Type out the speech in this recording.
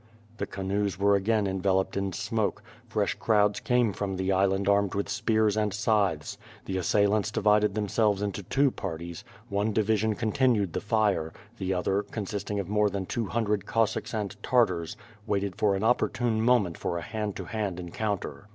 The canoes were again enveloped in smoke; fresh crowds came from the island armed with spears and scythes. The assailants divided themselves into two parties; one division continued the fire; the otlier, consisting of more than two hundred Cossacks and Tartars waited for an opportune mo ment for a hand to hand encounter.